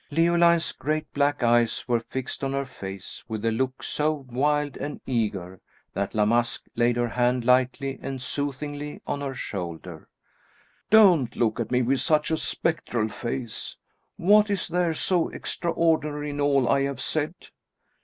Leoline's great black eyes were fixed on her face with a look so wild and eager, that La Masque laid her hand lightly and soothingly on her shoulder. "Don't look at me with such a spectral face! What is there so extraordinary in all I have said?"